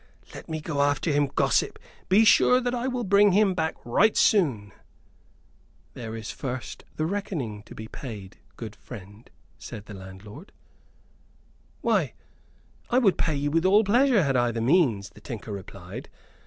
Let me go after him, gossip; be sure that I will bring him back right soon." "There is first the reckoning to be paid, good friend," said the landlord. "Why, I would pay you with all pleasure, had I the means," the tinker replied.